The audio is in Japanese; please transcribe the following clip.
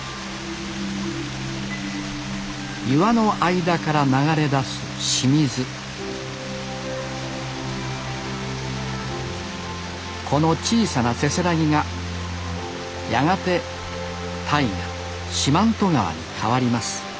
岩の間から流れ出す清水この小さなせせらぎがやがて大河・四万十川に変わります